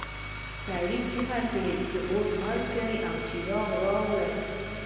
سړي چیغې کړې چې اور مړ کړه او څراغ راوړه.